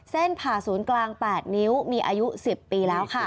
ผ่าศูนย์กลาง๘นิ้วมีอายุ๑๐ปีแล้วค่ะ